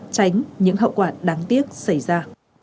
tránh những hậu quả đáng tiếc xảy ra